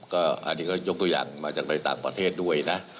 ก็อันนี้ก็ยกตัวอย่างมาจากในต่างประเทศด้วยนะ